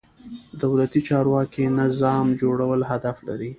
دولتي چارواکي نظام جوړول هدف لري.